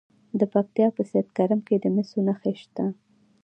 د پکتیا په سید کرم کې د مسو نښې شته.